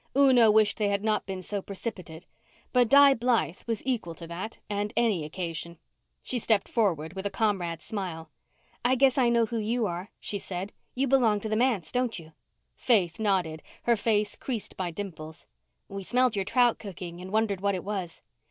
Una wished they had not been so precipitate: but Di Blythe was equal to that and any occasion. She stepped forward, with a comrade's smile. "I guess I know who you are," she said. "You belong to the manse, don't you?" Faith nodded, her face creased by dimples. "We smelled your trout cooking and wondered what it was."